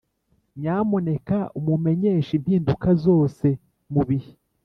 nyamuneka umenyeshe impinduka zose mubihe.